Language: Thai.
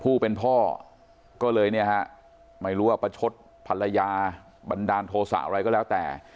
ผู้เป็นพ่อก็เลยเนี่ยฮะไม่รู้ว่าประชดภรรยาบันดาลโทษะอะไรก็แล้วแต่